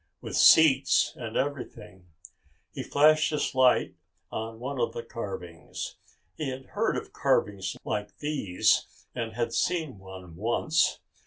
"With seats and everything." He flashed the light on one of the carvings. He had heard of carvings like these and had seen one once.